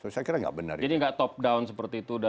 jadi enggak top down seperti itu